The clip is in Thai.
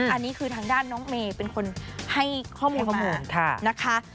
อันนี้คือทางด้านน้องเมเป็นคนให้ข้อมูลค่ะ